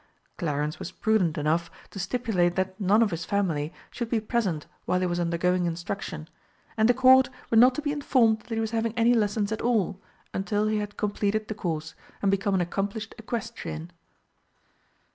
Clarence was prudent enough to stipulate that none of his family should be present while he was undergoing instruction, and the Court were not to be informed that he was having any lessons at all until he had completed the course and become an accomplished equestrian.